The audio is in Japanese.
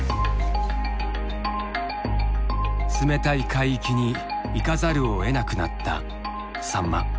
冷たい海域に行かざるをえなくなったサンマ。